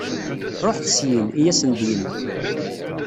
Ruḥet syin, i yasen-d-yenna.